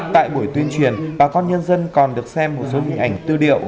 tại buổi tuyên truyền bà con nhân dân còn được xem một số hình ảnh tư liệu